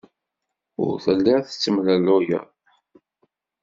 Ur telliḍ tettemlelluyeḍ.